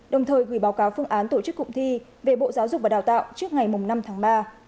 đồng thời gửi báo cáo phương án tổ chức cụm thi về bộ giáo dục và đào tạo trước ngày năm tháng ba